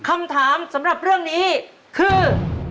คำถามสำหรับเรื่องนี้คือ